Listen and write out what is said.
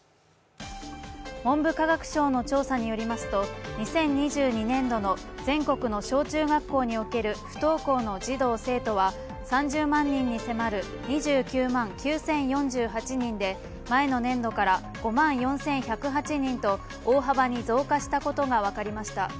文部科学省の調査によりますと、２０２２年度の全国の小中学校における不登校の児童生徒は３０万人に迫る２９万９０４８人で前の年度から５万４１０８人と大幅に増加したことが分かりました。